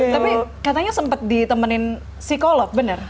tapi katanya sempet ditemenin psikolog bener